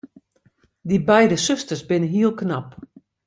Dy beide susters binne hiel knap.